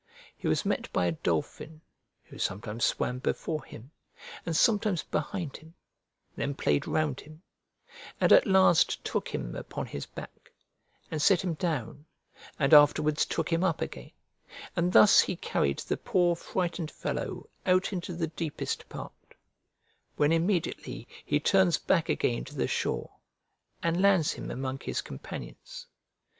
He was met by a dolphin, who sometimes swam before him, and sometimes behind him, then played round him, and at last took him upon his back, and set him down, and afterwards took him up again; and thus he carried the poor frightened fellow out into the deepest part; when immediately he turns back again to the shore, and lands him among his companions.